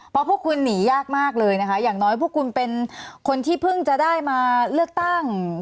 เพราะพวกคุณหนียากมากเลยนะคะอย่างน้อยพวกคุณเป็นคนที่เพิ่งจะได้มาเลือกตั้ง